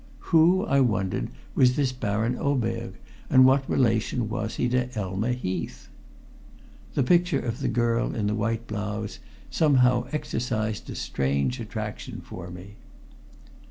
Who, I wondered, was this Baron Oberg, and what relation was he to Elma Heath? The picture of the girl in the white blouse somehow exercised a strange attraction for me.